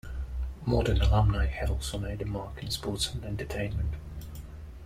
Modern alumni have also made a mark in sports and entertainment.